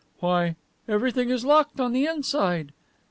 "Why, everything is locked on the inside!"